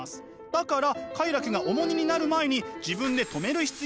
だから快楽が重荷になる前に自分で止める必要があるのです。